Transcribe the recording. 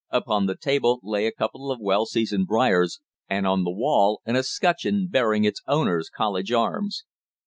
Upon the table lay a couple of well seasoned briars, and on the wall an escutcheon bearing its owner's college arms.